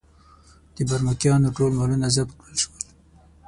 د برمکیانو ټول مالونه ضبط کړل شول.